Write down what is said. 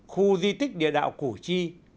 khu di tích địa đạo củ chi